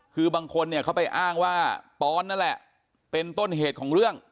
คือบางคนเนี่ยเขาไปอ้างว่าปอนนั่นแหละเป็นต้นเหตุของเรื่อง